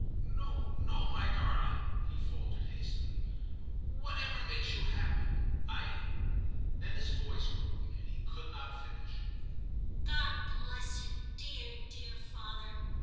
* No, no, my darling,' he faltered hastily ; 'whatever makes you happy — I ' then his voice broke, and he could not finish. 'God bless you, dear dear father.